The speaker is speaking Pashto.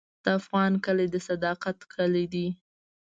د افغان کلی د صداقت کلی دی.